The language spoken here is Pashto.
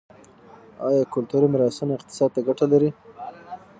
آیا کلتوري میراثونه اقتصاد ته ګټه لري؟